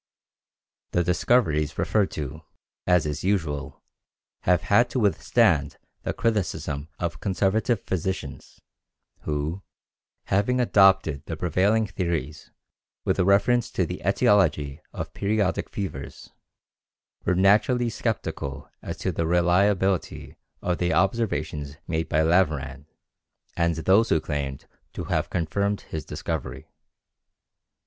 The discoveries referred to, as is usual, have had to withstand the criticism of conservative physicians, who, having adopted the prevailing theories with reference to the etiology of periodic fevers, were naturally skeptical as to the reliability of the observations made by Laveran and those who claimed to have confirmed his discovery.